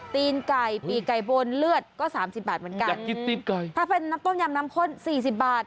ตีนไก่ปีไก่บนเลือดก็๓๐บาทเหมือนกันถ้าเป็นน้ำต้มยำน้ำค้น๔๐บาท